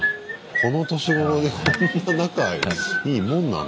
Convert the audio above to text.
この年頃でこんな仲いいもんなんだな。